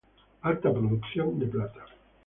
Alta producción de plata.